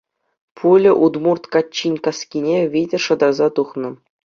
Пуля удмурт каччин каскине витӗр шӑтарса тухнӑ.